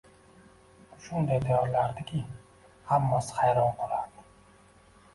Uni shunday tayyorlardiki, hammasi hayron qolardi